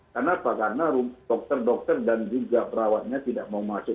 kenapa karena dokter dokter dan juga perawatnya tidak mau masuk